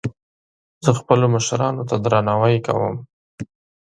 زه خپلو مشرانو ته درناوی کوم